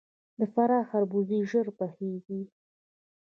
د فراه خربوزې ژر پخیږي.